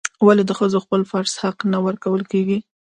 ولې د ښځو خپل فرض حق نه ورکول کیږي؟